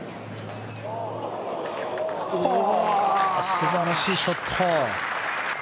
素晴らしいショット。